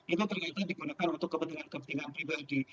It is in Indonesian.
itu ternyata digunakan untuk kepentingan kepentingan pribadi